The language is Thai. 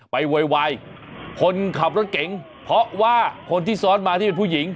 โวยวายคนขับรถเก๋งเพราะว่าคนที่ซ้อนมาที่เป็นผู้หญิง